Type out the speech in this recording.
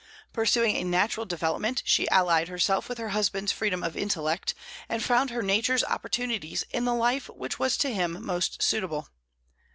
Pursuing a natural development, she allied herself with her husband's freedom of intellect, and found her nature's opportunities in the life which was to him most suitable.